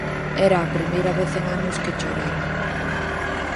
Era a primeira vez en anos que choraba.